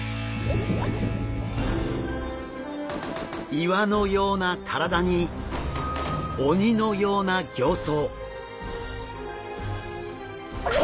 岩のような体に鬼のような形相。